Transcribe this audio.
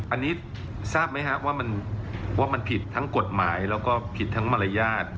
อันนี้ทราบไหมครับว่ามันผิดทั้งกฎหมายแล้วก็ผิดทั้งมารยาท